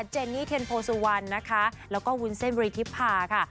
เจนนี่เทียนโพสุวรรณนะคะแล้วก็วุ้นเส้นบริธิภาค่ะ